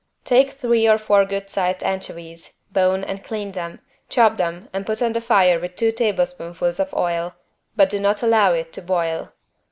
Take three or four good sized anchovies, bone and clean them, chop them and put on the fire with two tablespoonfuls of oil, but do not allow it to boil.